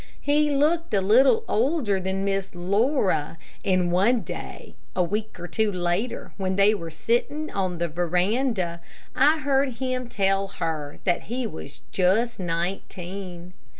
He looked a little older than Miss Laura, and one day, a week or two later, when they were sitting on the veranda, I heard him tell her that he was just nineteen.